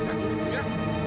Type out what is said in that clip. itu memang urusan pancasila